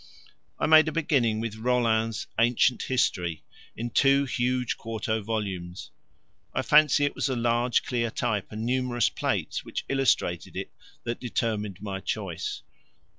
I made a beginning with Rollin's Ancient History in two huge quarto volumes; I fancy it was the large clear type and numerous plates which illustrated it that determined my choice.